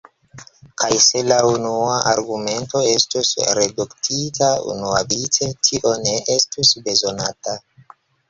Kaj se la unua argumento estus reduktita unuavice, tio ne estus bezonata.